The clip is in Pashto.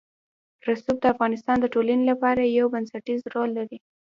رسوب د افغانستان د ټولنې لپاره یو بنسټيز رول لري.